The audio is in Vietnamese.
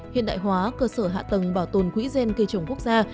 hiện đại hóa cơ sở hạ tầng bảo tồn quỹ gen cây trồng quốc gia